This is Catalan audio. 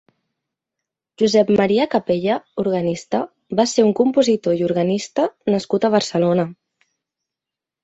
Josep Maria Capella (organista) va ser un compositor i organista nascut a Barcelona.